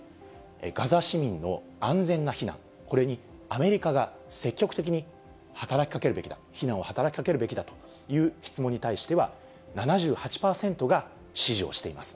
ガザ市民の安全な避難、これにアメリカが積極的に働きかけるべきだ、避難を働きかけるべきだという質問に対しては、７８％が支持をしています。